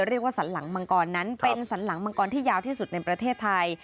สันหลังมังกรนั้นเป็นสันหลังมังกรที่ยาวที่สุดในประเทศไทย